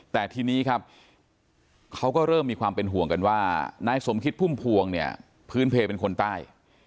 แต่ทีนี้ครับเขาก็เริ่มมีความเป็นห่วงกันว่านายสมคิดพุ่มพวงเนี่ยพื้นเพลเป็นคนใต้